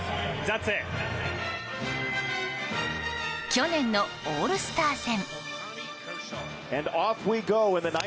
去年のオールスター戦。